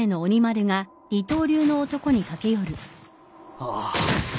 ああ。